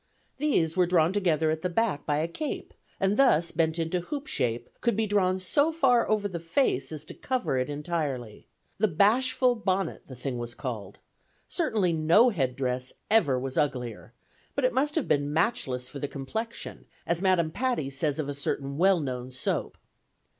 These were drawn together at the back by a cape, and thus, bent into hoop shape, could be drawn so far over the face as to cover it entirely. The "bashful bonnet," the thing was called; certainly, no headdress ever was uglier, but it must have been "matchless for the complexion," as Madam Patti says of a certain well known soap.